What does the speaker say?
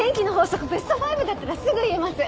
ベスト５だったらすぐ言えます！